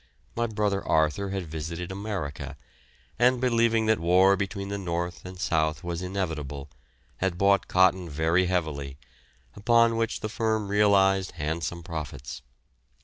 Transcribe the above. My brother Arthur had visited America, and believing that war between the North and South was inevitable, had bought cotton very heavily, upon which the firm realised handsome profits.